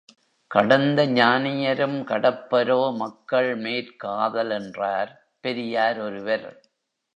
கடந்த ஞானியரும் கடப்பரோ மக்கள் மேற் காதல் என்றார் பெரியார் ஒருவர்.